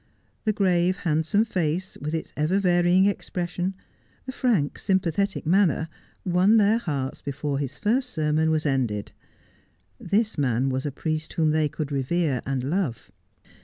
The grave, handsome face, with its ever varying ex pression, the frank, sympathetic manner, won their hearts before his first sermon was ended. This man was a priest whom they could revere and love.